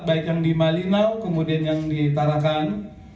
baik yang di malinau kemudian yang di tarakan